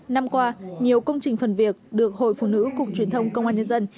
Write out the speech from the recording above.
năm qua nhiều công trình phần việc được hội phụ nữ cục truyền thông công an nhân dân